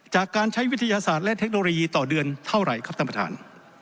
จากการใช้วิทยาศาสตร์และเทคโนโลยีต่อเดือนเท่าไหร่ครับท่านประธาน